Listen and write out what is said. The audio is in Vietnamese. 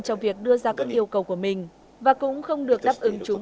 trong việc đưa ra các yêu cầu của mình và cũng không được đáp ứng chúng